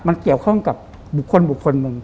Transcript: มันเกี่ยวข้องกับบุคคลบุคคลหนึ่ง